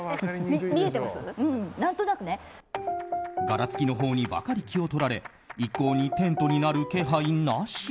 柄付きのほうにばかり気を取られ一向にテントになる気配なし。